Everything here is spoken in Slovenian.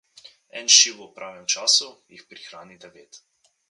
En šiv ob pravem času, jih prihrani devet.